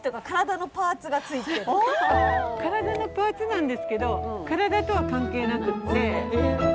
体のパーツなんですけど体とは関係なくて。